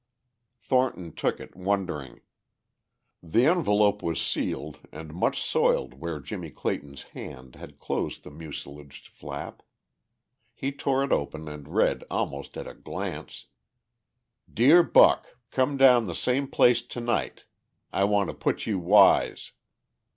Thornton took it, wondering. The envelope was sealed and much soiled where Jimmie Clayton's hand had closed the mucilaged flap. He tore it open and read almost at a glance: Deere buck come the same place tonight I want to put you wise.